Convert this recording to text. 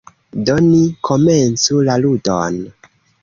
Do, ni komencu la ludon.